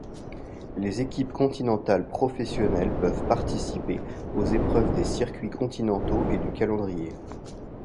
Les équipes continentales professionnelles peuvent participer aux épreuves des circuits continentaux et du calendrier.